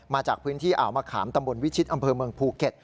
มาจากพื้นที่อ่าวมะขามตำบลวิชิตอำเภอเมืองภูเก็ต